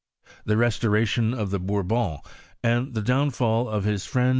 The restora I tion of the Bourbons, and the dounifal of his friend